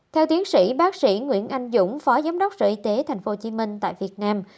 theo tiến sĩ bác sĩ nguyễn anh dũng phó giám đốc sở y tế tp hcm tại việt nam